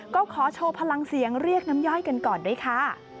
ก็ขอโชว์พลังเสียงเรียกน้ำย่อยกันก่อนด้วยค่ะ